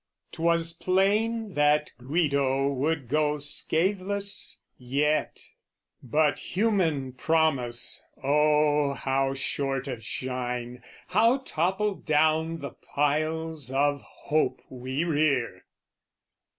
'Twas plain that Guido would go scatheless yet. But human promise, oh, how short of shine! How topple down the piles of hope we rear!